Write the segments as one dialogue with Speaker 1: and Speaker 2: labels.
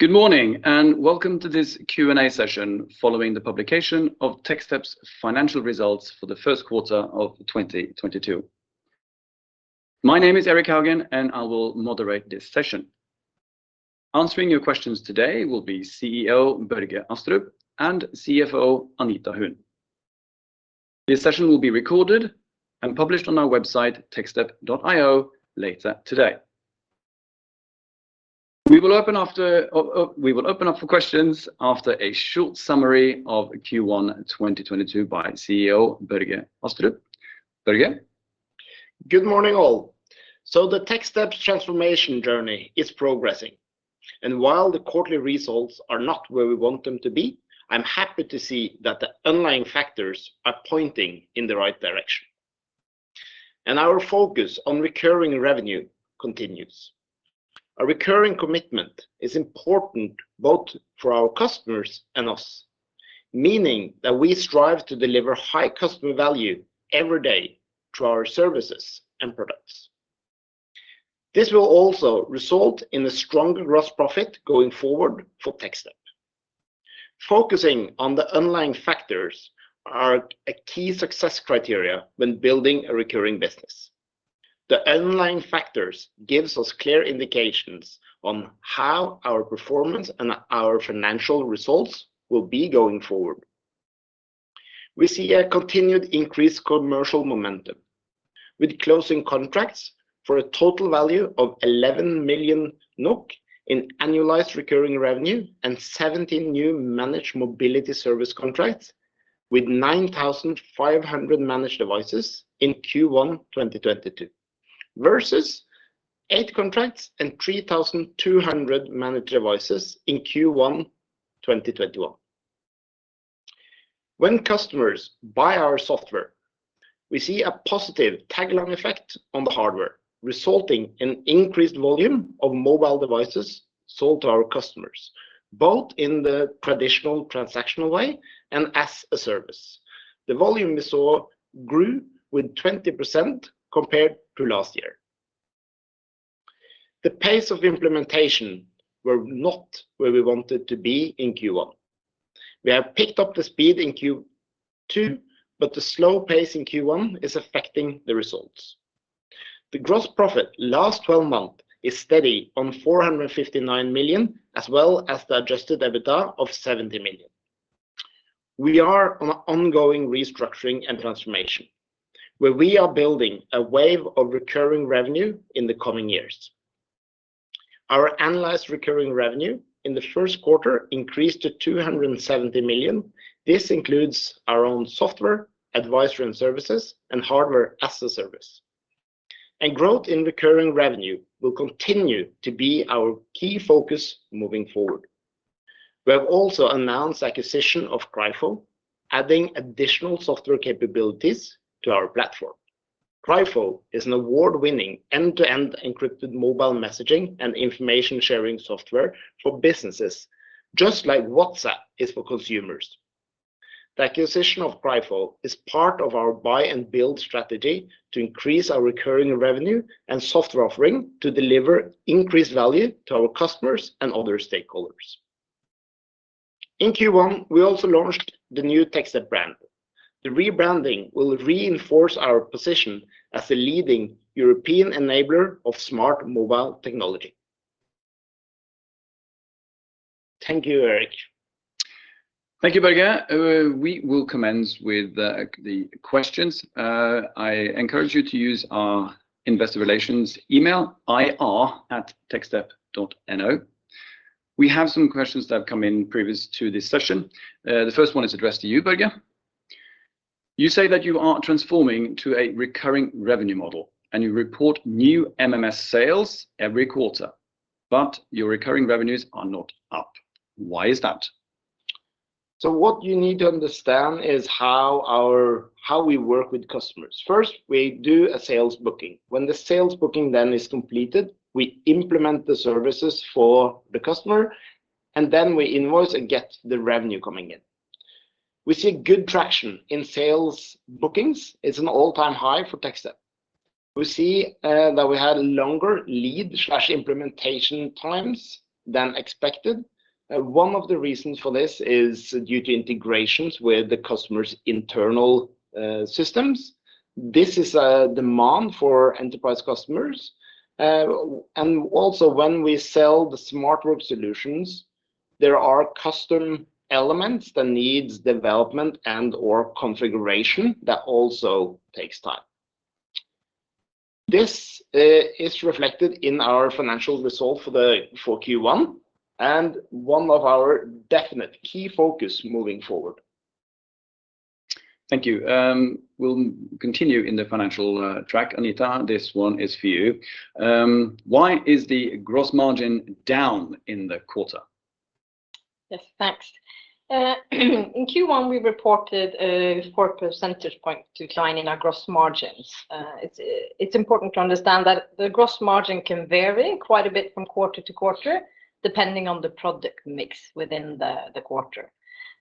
Speaker 1: Good morning, and welcome to this Q&A session following the publication of Techstep's Financial Results for the First Quarter of 2022. My name is Erik Haugen, and I will moderate this session. Answering your questions today will be CEO Børge Astrup and CFO Anita Huun. This session will be recorded and published on our website, techstep.io, later today. We will open up for questions after a short summary of Q1 2022 by CEO Børge Astrup. Børge?
Speaker 2: Good morning, all. The Techstep transformation journey is progressing, and while the quarterly results are not where we want them to be, I'm happy to see that the underlying factors are pointing in the right direction, and our focus on recurring revenue continues. A recurring commitment is important both for our customers and us, meaning that we strive to deliver high customer value every day through our services and products. This will also result in a stronger gross profit going forward for Techstep. Focusing on the underlying factors are a key success criteria when building a recurring business. The underlying factors gives us clear indications on how our performance and our financial results will be going forward. We see a continued increased commercial momentum, with closing contracts for a total value of 11 million NOK in annualized recurring revenue and 17 new Managed Mobility Services contracts with 9,500 managed devices in Q1 2022, versus eight contracts and 3,200 managed devices in Q1 2021. When customers buy our software, we see a positive tag-along effect on the hardware, resulting in increased volume of mobile devices sold to our customers, both in the traditional transactional way and as a service. The volume we saw grew with 20% compared to last year. The pace of implementation were not where we wanted to be in Q1. We have picked up the speed in Q2, but the slow pace in Q1 is affecting the results. The gross profit last twelve months is steady on 459 million, as well as the adjusted EBITDA of 70 million. We are undergoing ongoing restructuring and transformation, where we are building a base of recurring revenue in the coming years. Our annualized recurring revenue in the first quarter increased to 270 million. This includes our own software, advisory and services, and hardware as a service. Growth in recurring revenue will continue to be our key focus moving forward. We have also announced acquisition of Crypho, adding additional software capabilities to our platform. Crypho is an award-winning end-to-end encrypted mobile messaging and information sharing software for businesses, just like WhatsApp is for consumers. The acquisition of Crypho is part of our buy and build strategy to increase our recurring revenue and software offering to deliver increased value to our customers and other stakeholders. In Q1, we also launched the new Techstep brand. The rebranding will reinforce our position as a leading European enabler of smart mobile technology. Thank you, Erik.
Speaker 1: Thank you, Børge. We will commence with the questions. I encourage you to use our investor relations email, ir@techstep.no. We have some questions that have come in previous to this session. The first one is addressed to you, Børge. You say that you are transforming to a recurring revenue model, and you report new MMS sales every quarter, but your recurring revenues are not up. Why is that?
Speaker 2: What you need to understand is how we work with customers. First, we do a sales booking. When the sales booking then is completed, we implement the services for the customer, and then we invoice and get the revenue coming in. We see good traction in sales bookings. It's an all-time high for Techstep. We see that we had longer lead implementation times than expected. One of the reasons for this is due to integrations with the customer's internal systems. This is a demand for enterprise customers. And also when we sell the SmartWorks solutions, there are custom elements that needs development and/or configuration that also takes time. This is reflected in our financial result for Q1 and one of our definite key focus moving forward.
Speaker 1: Thank you. We'll continue in the financial track. Anita, this one is for you. Why is the gross margin down in the quarter?
Speaker 3: Yes. Thanks. In Q1, we reported a four percentage point decline in our gross margins. It's important to understand that the gross margin can vary quite a bit from quarter to quarter, depending on the product mix within the quarter.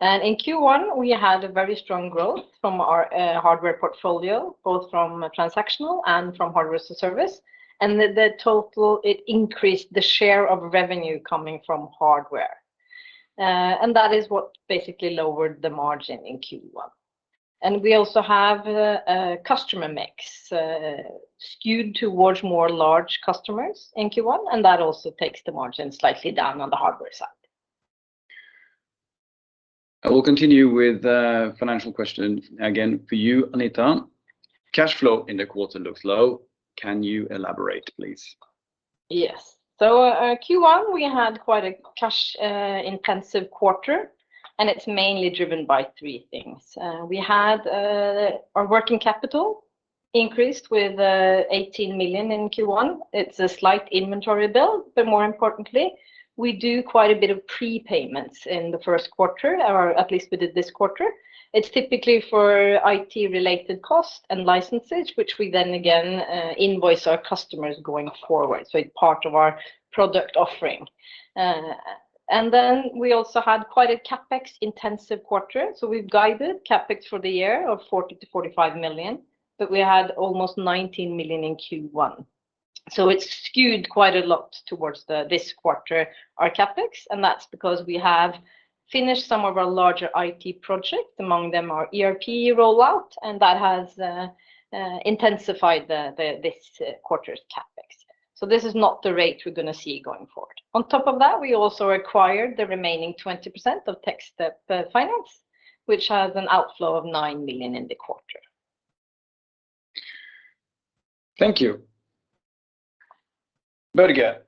Speaker 3: In Q1, we had a very strong growth from our hardware portfolio, both from transactional and from hardware as a service, and the total, it increased the share of revenue coming from hardware. And that is what basically lowered the margin in Q1. We also have a customer mix skewed towards more large customers in Q1, and that also takes the margin slightly down on the hardware side.
Speaker 1: I will continue with a financial question again for you, Anita. Cash flow in the quarter looks low. Can you elaborate, please?
Speaker 3: Yes. Q1, we had quite a cash intensive quarter, and it's mainly driven by three things. We had our working capital increased with 18 million in Q1. It's a slight inventory build, but more importantly, we do quite a bit of prepayments in the first quarter, or at least we did this quarter. It's typically for IT-related costs and licenses, which we then again invoice our customers going forward, so it's part of our product offering. We also had quite a CapEx intensive quarter. We've guided CapEx for the year of 40-45 million, but we had almost 19 million in Q1. It's skewed quite a lot towards this quarter, our CapEx, and that's because we have finished some of our larger IT projects, among them our ERP rollout, and that has intensified this quarter's CapEx. This is not the rate we're gonna see going forward. On top of that, we also acquired the remaining 20% of Techstep Finance, which has an outflow of 9 million in the quarter.
Speaker 1: Thank you. Børge,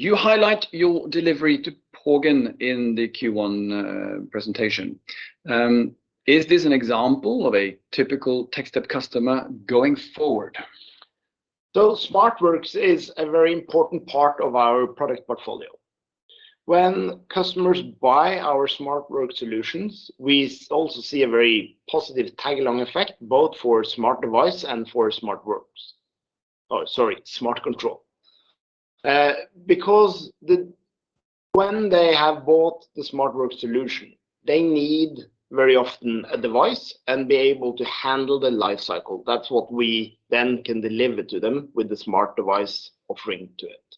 Speaker 1: you highlight your delivery to PostNord in the Q1 presentation. Is this an example of a typical Techstep customer going forward?
Speaker 2: SmartWorks is a very important part of our product portfolio. When customers buy our SmartWorks solutions, we also see a very positive tag-along effect, both for SmartDevice and for SmartControl. Because when they have bought the SmartWorks solution, they need very often a device and be able to handle the life cycle. That's what we then can deliver to them with the SmartDevice offering to it.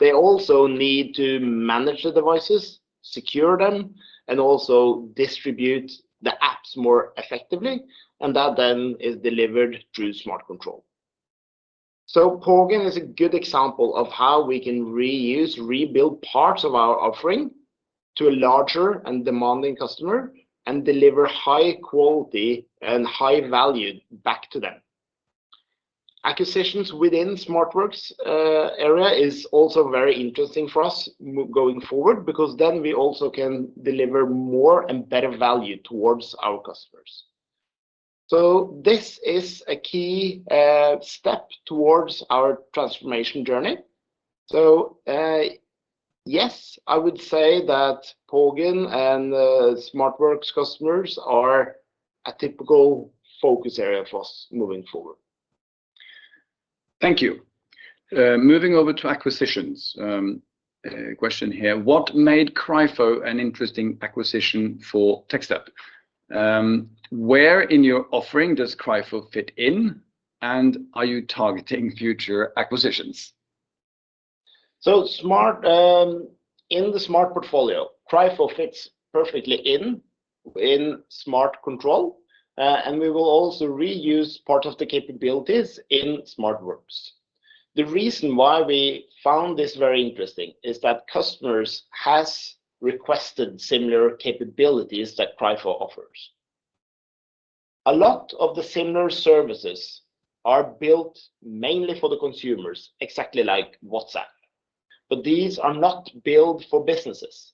Speaker 2: They also need to manage the devices, secure them, and also distribute the apps more effectively, and that then is delivered through SmartControl. PostNord is a good example of how we can reuse, rebuild parts of our offering to a larger and demanding customer and deliver high quality and high value back to them. Acquisitions within SmartWorks area is also very interesting for us going forward because then we also can deliver more and better value toward our customers. This is a key step toward our transformation journey. Yes, I would say that PostNord and the SmartWorks customers are a typical focus area for us moving forward.
Speaker 1: Thank you. Moving over to acquisitions, a question here. What made Crypho an interesting acquisition for Techstep? Where in your offering does Crypho fit in, and are you targeting future acquisitions?
Speaker 2: Smart, in the Smart portfolio, Crypho fits perfectly in SmartControl, and we will also reuse part of the capabilities in SmartWorks. The reason why we found this very interesting is that customers has requested similar capabilities that Crypho offers. A lot of the similar services are built mainly for the consumers, exactly like WhatsApp, but these are not built for businesses.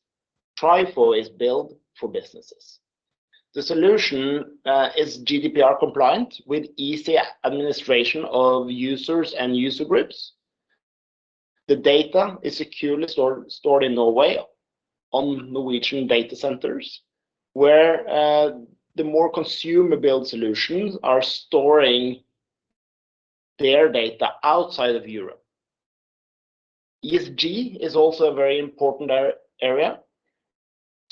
Speaker 2: Crypho is built for businesses. The solution is GDPR compliant with easy administration of users and user groups. The data is securely stored in Norway on Norwegian data centers, where the more consumer-built solutions are storing their data outside of Europe. ESG is also a very important area.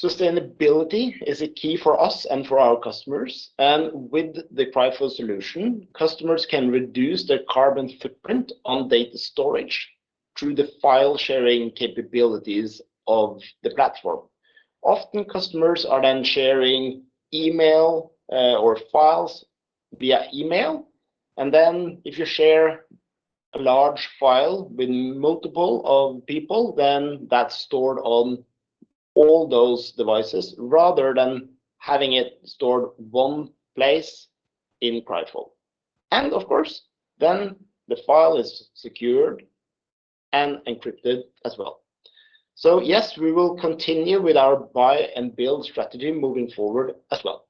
Speaker 2: Sustainability is a key for us and for our customers, and with the Crypho solution, customers can reduce their carbon footprint on data storage through the file-sharing capabilities of the platform. Often, customers are then sharing email or files via email, and then if you share a large file with multiple of people, then that's stored on all those devices rather than having it stored one place in Crypho. Of course, then the file is secured and encrypted as well. Yes, we will continue with our buy and build strategy moving forward as well.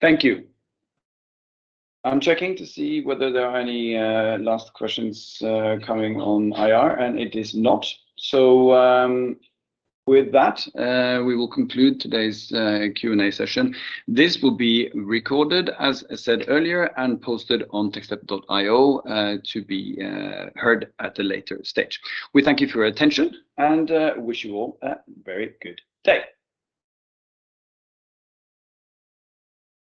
Speaker 1: Thank you. I'm checking to see whether there are any last questions coming on IR, and it is not. With that, we will conclude today's Q&A session. This will be recorded, as I said earlier, and posted on techstep.io to be heard at a later stage. We thank you for your attention and wish you all a very good day.